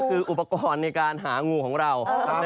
คืออุปกรณ์ในการหางูของเรา